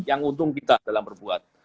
yang untung kita dalam berbuat